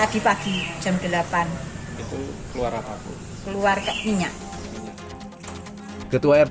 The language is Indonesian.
hari tadi pagi jam delapan itu keluar apa keluar kek minyak